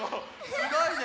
すごいね！